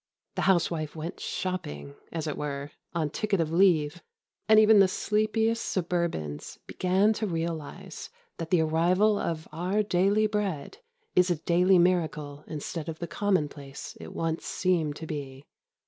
The housewife went shopping, as it were, on ticket of leave, and even the sleepiest suburbans began to realise that the arrival of our daily bread is a daily miracle instead of the commonplace it once seemed to be.